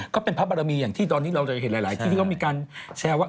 ก็เป็นพระบรมีอย่างที่ตอนนี้เราจะเห็นหลายที่เขามีการแชร์ว่า